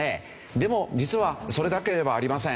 でも実はそれだけではありません。